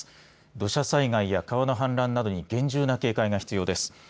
土砂災害や川の氾濫などに厳重な警戒が必要です。